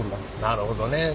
なるほどね。